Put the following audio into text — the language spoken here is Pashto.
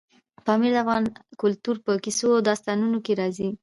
پامیر د افغان کلتور په کیسو او داستانونو کې راځي.